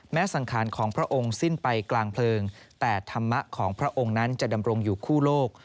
สังขารของพระองค์สิ้นไปกลางเพลิงแต่ธรรมะของพระองค์นั้นจะดำรงอยู่คู่โลก